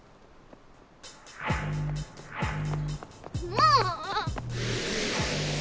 もう！